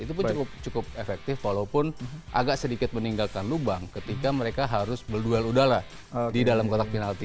itu pun cukup efektif walaupun agak sedikit meninggalkan lubang ketika mereka harus berduel udara di dalam kotak penalti